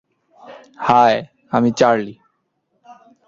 High, আমি Charlie.